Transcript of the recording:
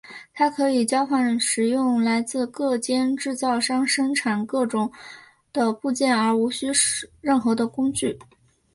它可以交换使用来自各间制造商生产各种的部件而且无需任何的工具。